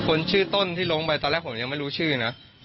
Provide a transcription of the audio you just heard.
คนชื่อต้นที่ลงไปตอนแรกผมยังไม่รู้ชื่อนะ